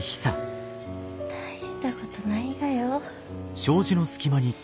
大したことないがよ。